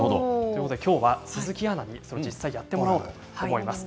きょうは鈴木アナに実際にやってもらおうと思います。